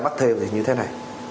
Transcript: bắt thêu như thế này